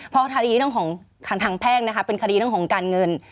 เพราะคดีเรื่องของทางแพ่งนะคะเป็นคดีเรื่องของการเงิน